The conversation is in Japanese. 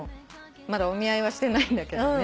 まだお見合いはしてないんだけどね。